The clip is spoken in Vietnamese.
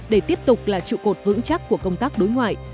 để tiếp tục là trụ cột vững chắc của công tác đối ngoại